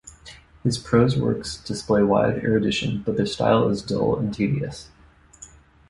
His prose works display wide erudition, but their style is dull and tedious.